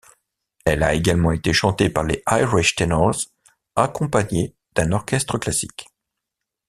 Elle a également été chantée par les Irish Tenors accompagnés d'un orchestre classique.